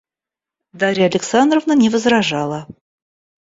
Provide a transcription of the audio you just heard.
Дарья Александровна не возражала.